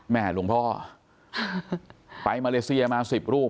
หลวงพ่อไปมาเลเซียมา๑๐รูป